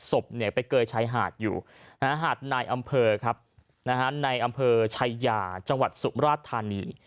ศพไปเกยชายหาดอยู่หาดนายอำเภอครับในอำเภอชายาจังหวัดสุมราชธานี